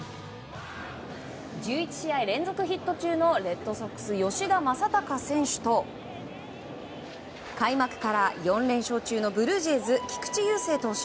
１１試合連続ヒット中のレッドソックス、吉田正尚選手と開幕から４連勝中のブルージェイズ、菊池雄星投手。